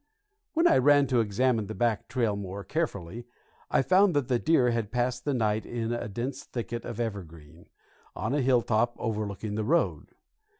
When I ran to examine the back trail more carefully, I found that the deer had passed the night in a dense thicket of evergreen, on a hilltop overlooking the road.